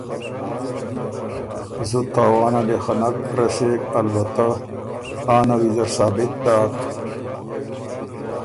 زُت تاوانه لې خه نک رسېک، البتۀ آ نه ویزر ثابت داک